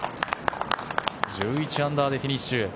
１１アンダーでフィニッシュ。